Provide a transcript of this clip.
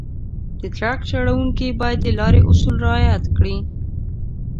د ټرک چلونکي باید د لارې اصول رعایت کړي.